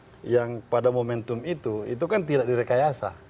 nah yang pada momentum itu itu kan tidak direkayasa